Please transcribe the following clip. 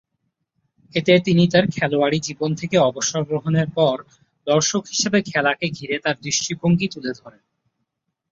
এতে তিনি তার খেলোয়াড়ী জীবন থেকে অবসর গ্রহণের পর দর্শক হিসেবে খেলাকে ঘিরে তার দৃষ্টিভঙ্গী তুলে ধরেন।